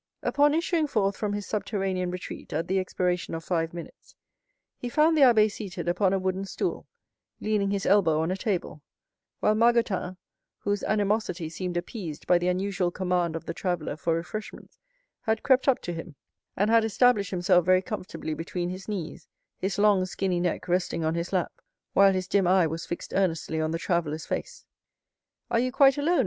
Upon issuing forth from his subterranean retreat at the expiration of five minutes, he found the abbé seated upon a wooden stool, leaning his elbow on a table, while Margotin, whose animosity seemed appeased by the unusual command of the traveller for refreshments, had crept up to him, and had established himself very comfortably between his knees, his long, skinny neck resting on his lap, while his dim eye was fixed earnestly on the traveller's face. "Are you quite alone?"